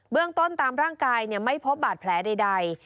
เรื่องต้นตามร่างกายไม่พบบาดแผลใด